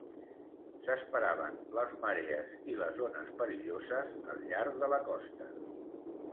S'esperaven les marees i les ones perilloses al llarg de la costa.